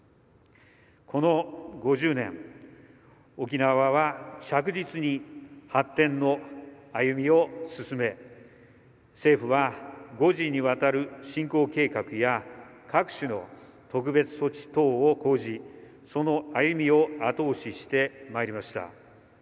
この５０年沖縄は着実に発展の歩みを進め政府は５次にわたる振興計画や各種の特別措置等を講じその歩みを後押ししてまいりました。